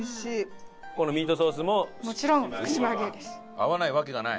合わないわけがない。